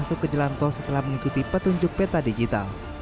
kepala induk pjr menerima jalan tol setelah mengikuti petunjuk peta digital